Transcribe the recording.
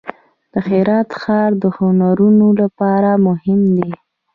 د هرات ښار د هنرونو لپاره مهم دی.